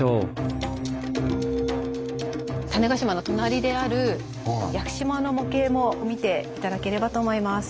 種子島の隣である屋久島の模型も見て頂ければと思います。